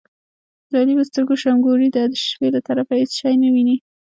د علي په سترګو شمګوري ده، د شپې له طرفه هېڅ شی نه ویني.